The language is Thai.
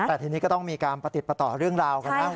แต่ทีนี้ก็ต้องมีการประติดประต่อเรื่องราวกันบ้าง